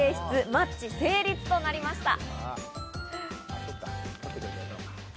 マッチ成立となりました。